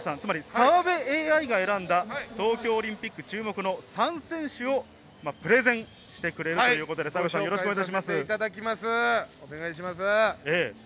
澤部ＡＩが選んだ東京オリンピック注目の３選手をプレゼンしてくれるということでお願いします。